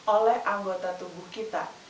oleh anggota tubuh kita